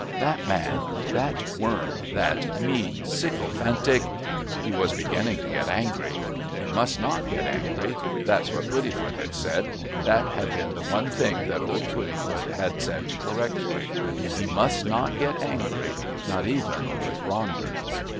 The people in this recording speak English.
That man! That worm! That mean, sycophantic...He was beginning to get angry. He must not get angry. That's what Puddifoot had said, that had been the one thing that old Puddifoot had said correctly. He must not get angry, not even with Ronder.